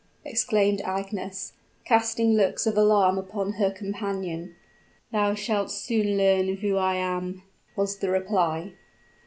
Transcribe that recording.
exclaimed Agnes, casting looks of alarm upon her companion. "Thou shalt soon learn who I am," was the reply.